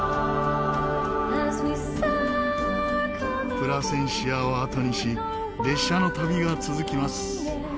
プラセンシアをあとにし列車の旅が続きます。